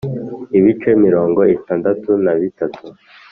Ibice mirongo itandatu na bitatu.